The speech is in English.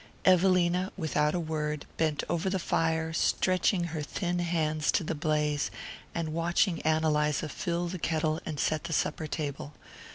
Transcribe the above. Evelina, without a word, bent over the fire, stretching her thin hands to the blaze and watching Ann Eliza fill the kettle and set the supper table.